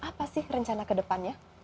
apa sih rencana ke depannya